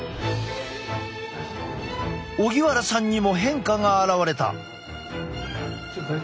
荻原さんにも変化が現れた。